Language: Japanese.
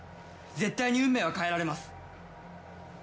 絶対に運命は変えられます！